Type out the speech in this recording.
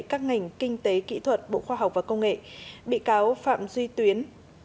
các ngành kinh tế kỹ thuật bộ khoa học và công nghệ bị cáo phạm duy tuyến